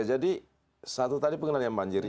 jadi satu tadi pengenalan yang banjir